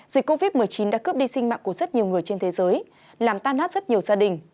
dịch covid một mươi chín đã cướp đi sinh mạng của rất nhiều người trên thế giới làm tan nát rất nhiều gia đình